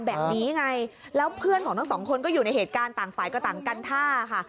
แบบนี้ไงแล้วเพื่อนของทั้งสองคนก็อยู่ในเหตุการณ์ต่างฝ่ายก็ต่างกันท่าค่ะ